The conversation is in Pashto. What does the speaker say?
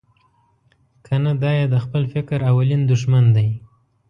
کنه دای د خپل فکر اولین دوښمن دی.